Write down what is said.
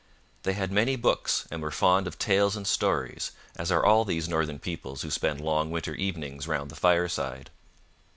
They had many books, and were fond of tales and stories, as are all these northern peoples who spend long winter evenings round the fireside.